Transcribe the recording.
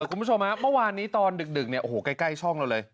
คุณผู้ชมฮะเมื่อวานนี้ตอนดึกเนี่ยโอ้โหใกล้ช่องเราเลย